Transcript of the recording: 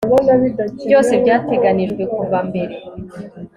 Byose byateganijwe kuva mbere